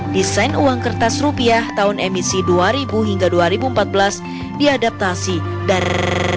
desain uang kertas rupiah tahun emisi dua ribu hingga dua ribu empat belas diadaptasi dari